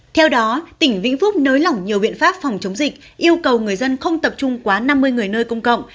theo đó tỉnh vĩnh phúc nới lỏng nhiều biện pháp phòng chống dịch yêu cầu người dân không tập trung quá năm mươi người nơi công cộng